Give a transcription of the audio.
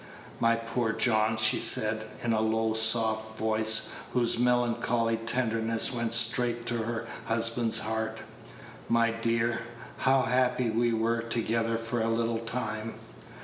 "My poor John," she said, in a low, soft voice, whose melancholy tenderness went straight to her husband's heart; "my dear, how happy we were together for a little time!